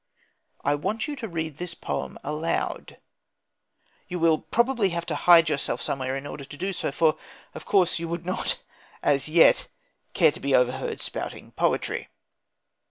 I want you to read this poem aloud. You will probably have to hide yourself somewhere in order to do so, for, of course, you would not, as yet, care to be overheard spouting poetry.